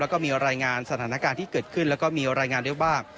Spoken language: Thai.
แล้วก็มีรายงานสถานการณ์ที่เกิดขึ้นแล้วก็มีรายงานด้วยว่า